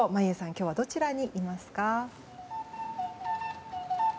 今日はどちらにいますか？